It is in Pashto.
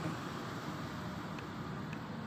د دنیا او دین توپیر منطق ته غاړه نه ده اېښې.